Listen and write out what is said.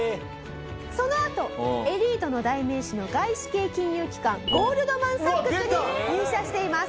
そのあとエリートの代名詞の外資系金融機関ゴールドマン・サックスに入社しています。